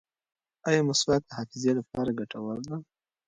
ایا مسواک د حافظې لپاره ګټور دی؟